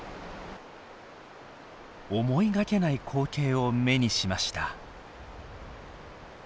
思いがけない光景を目にしました。